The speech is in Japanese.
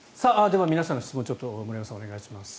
では皆さんの質問を森山さんお願いします。